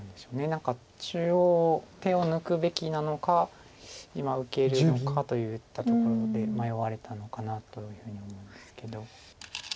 何か中央手を抜くべきなのか今受けるのかといったところで迷われたのかなというふうに思いますけど。